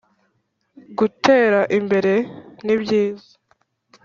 Gutera imbere nibyiza